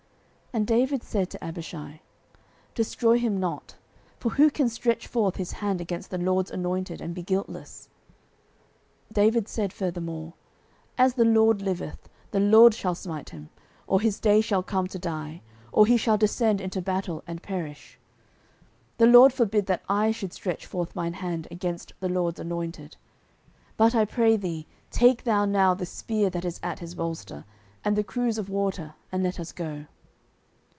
09:026:009 And David said to Abishai, Destroy him not: for who can stretch forth his hand against the LORD's anointed, and be guiltless? 09:026:010 David said furthermore, As the LORD liveth, the LORD shall smite him; or his day shall come to die; or he shall descend into battle, and perish. 09:026:011 The LORD forbid that I should stretch forth mine hand against the LORD's anointed: but, I pray thee, take thou now the spear that is at his bolster, and the cruse of water, and let us go.